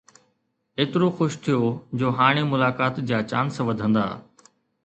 ايترو خوش ٿيو جو هاڻي ملاقات جا چانس وڌندا.